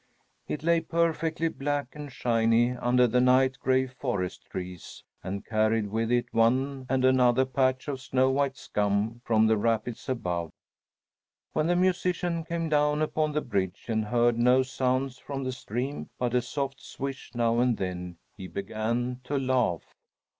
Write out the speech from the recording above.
It lay perfectly black and shiny under the night gray forest trees, and carried with it one and another patch of snow white scum from the rapids above. When the musician came down upon the bridge and heard no sound from the stream but a soft swish now and then, he began to laugh.